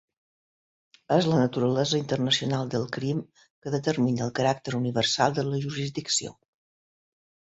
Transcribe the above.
És la naturalesa internacional del crim que determina el caràcter universal de la jurisdicció.